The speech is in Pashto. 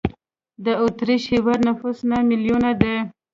د اوترېش هېواد نفوس نه میلیونه دی.